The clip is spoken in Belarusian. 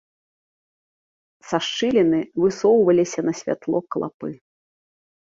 Са шчыліны высоўваліся на святло клапы.